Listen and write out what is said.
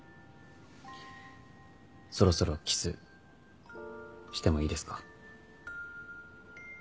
そろそろキスしてもいいですか？